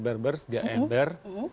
ber ber ber dia ember